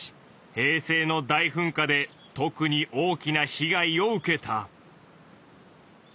平成の大噴火で特に大きな被害を受けた。